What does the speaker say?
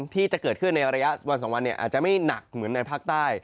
ที่จะเกิดขึ้นในระยะวัน๒วันอาจจะไม่หนักเหมือนในภาคใต้